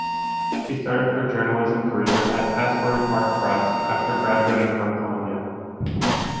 She started her journalism career at "Asbury Park Press" after graduating from Columbia.